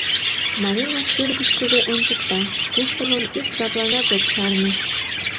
— Марина шӱргышкыжӧ ончыкта, куштымым ик жапланат ок чарне.